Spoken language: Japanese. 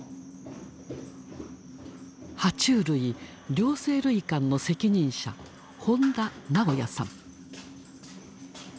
・両生類館の責任者本田直也さん。